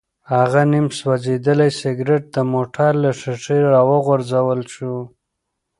هغه نیم سوځېدلی سګرټ د موټر له ښیښې راوغورځول شو.